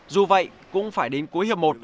dù vậy cũng phải đến cuối hiệp một